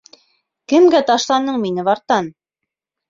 Кемгә ташланың мине, Вартан?